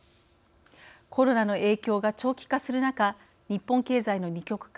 コロナの影響が長期化する中日本経済の２極化